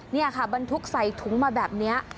นี่ค่ะบรรทุกใส่ถุงมาแบบนี้